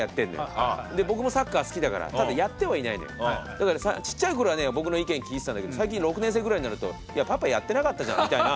だからちっちゃい頃はね僕の意見聞いてたんだけど最近６年生ぐらいになると「パパやってなかったじゃん」みたいな。